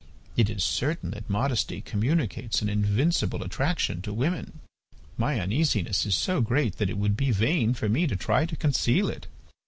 It is certain that modesty communicates an invincible attraction to women. My uneasiness is so great that it would be vain for me to try to conceal it."